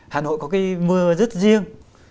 hà nội có cái mưa rất riêng